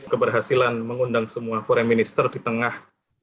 keberhasilan mengundang semua forei minister di tengah